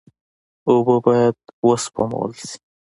اوبه باید سپمول شي.